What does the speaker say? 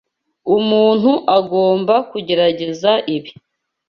Umuntu agomba kugerageza ibi.